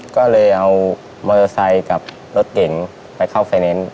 ก็เลยเอาโมโยไซค์กับรถเก่งไปเข้าไฟแนนซ์